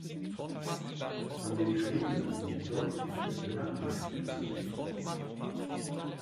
An den Trieben sind deutliche Blattnarben zu sehen.